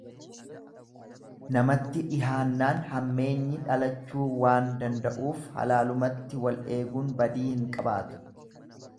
Namatti dhihaannaan hammeenyi dhalachuu waan danda'uuf halaalumatti wal eeguun badii hin qabaatu.